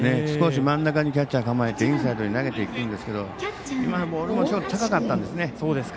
少し真ん中にキャッチャー構えてインサイドに投げていくんですが今のボールもちょっと高かったんですね。